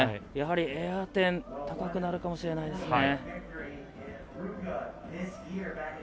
やはりエア点高くなるかもしれないですね。